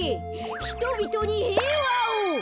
ひとびとにへいわを！